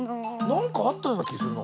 なんかあったようなきするな。